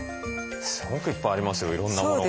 すごくいっぱいありますよいろんなものが。